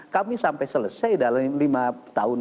kami sampai selesai dalam lima tahun